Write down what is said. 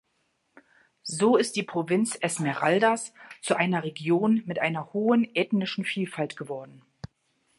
So ist die Provinz Esmeraldas zu einer Region mit einer hohen ethnischen Vielfalt geworden.